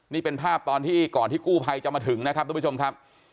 นี่เป็นภาพตอนที่ก่อนที่กู้ภัยจะมาถึงนะครับทุกผู้ชมครับ